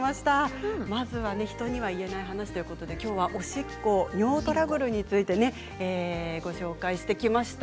「人には言えないハナシ」ということでおしっこ、尿トラブルについてご紹介してきました。